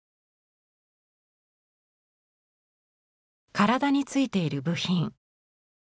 体についている部品。